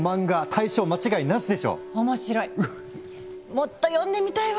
もっと読んでみたいわ！